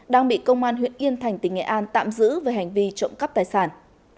đang bị công an huyện yên thành tỉnh nghệ an tạm giữ về hành vi trộm cắp tài sản